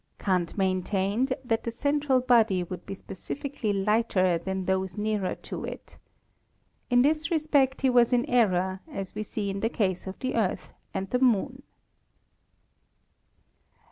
Kant maintained that the 310 ASTRONOMY central body would be specifically lighter than those nearer to it. In this respect he was in error, as we see in the case of the Earth and the Moon.